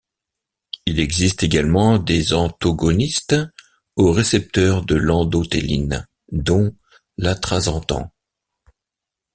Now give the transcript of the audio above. Il existe également des antogonistes aux récepteurs de l'endothéline, dont l'atrasentan.